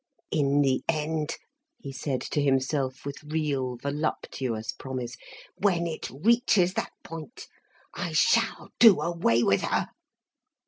"In the end," he said to himself with real voluptuous promise, "when it reaches that point, I shall do away with her."